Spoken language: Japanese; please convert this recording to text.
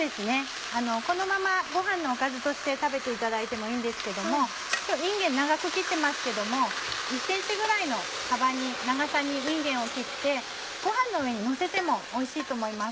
このままご飯のおかずとして食べていただいてもいいんですけどもいんげん長く切ってますけども１ｃｍぐらいの長さにいんげんを切ってご飯の上にのせてもおいしいと思います。